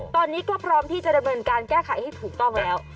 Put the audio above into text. ตอนนี้ก็พร้อมที่จะดำเนินการแก้ไขให้ถูกต้องแล้ว